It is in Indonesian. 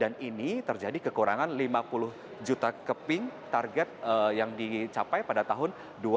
dan ini terjadi kekurangan lima puluh juta keping target yang dicapai pada tahun dua ribu dua belas